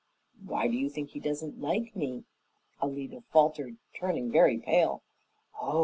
"Why do you think he doesn't like me?" Alida faltered, turning very pale. "Oh!